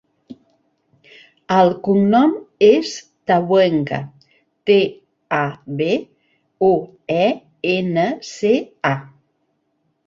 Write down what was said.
El cognom és Tabuenca: te, a, be, u, e, ena, ce, a.